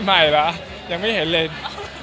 พี่ม่ายหรอยังไม่เห็นเลนส์